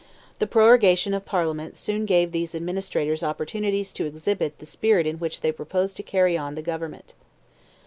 The prorogation of Parliament soon gave these administrators opportunities to exhibit the spirit in which they proposed to carry on the government.